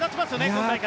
今大会。